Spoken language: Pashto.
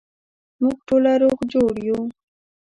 موږ ټوله روغ جوړ یو